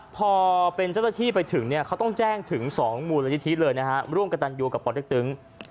พอเป็นเจ้าตะที่ไปถึงเนี่ยเขาต้องแจ้งถึง๒หมู่ละยิทธิเลยนะฮะร่วมกันตันอยู่กับปลอดฤทธิ์ตึง